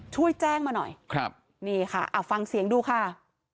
ช่วยแจ้งมาหน่อยครับนี่ค่ะเอาฟังเสียงดูค่ะ